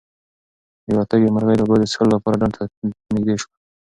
یوه تږې مرغۍ د اوبو د څښلو لپاره ډنډ ته نږدې شوه.